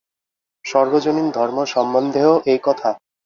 সর্বজনীন ধর্ম সম্বন্ধেও এই কথা।